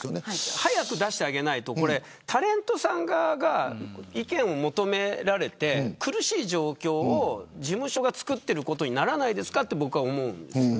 早く出してあげないとタレントさん側が意見を求められて苦しい状況を事務所が作ることにならないですかと思うんです。